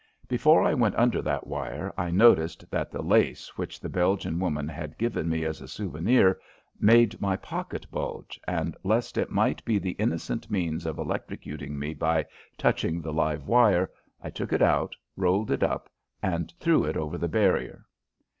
Before I went under that wire I noticed that the lace which the Belgian woman had given me as a souvenir made my pocket bulge, and lest it might be the innocent means of electrocuting me by touching the live wire, I took it out, rolled it up, and threw it over the barrier.